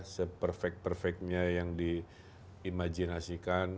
seperfek perfeknya yang di imajinasikan